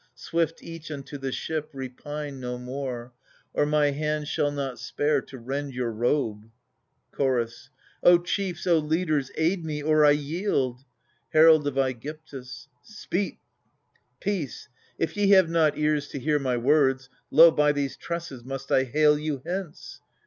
Swift each unto the ship ; repine no more, Or my hand shall not spare to rend your robe. ^ Chorus. O chiefs, O leaders, aid me, or I yield ! Herald of ^gyptus. Peace ! if ye have not ears to hear my words, Lo, by these tresses must I hale you hence.